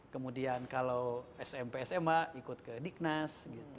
kemudian kalau smp sma ikut ke dignas